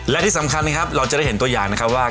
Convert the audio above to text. และที่สำคัญนะครับเราจะได้เห็นตัวอย่างนะครับว่า